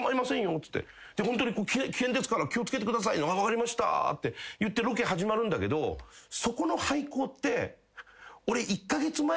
「ホントに危険ですから気を付けてください」「分かりました」って言ってロケ始まるんだけどそこの廃校って俺１カ月前ぐらいに。